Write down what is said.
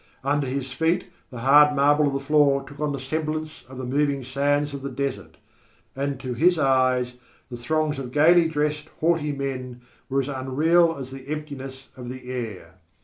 Under his feet the hard marble of the floor took on the semblance of the moving sands of the desert, and to his eyes the throngs of gaily dressed, haughty men were as unreal as the emptiness of the air.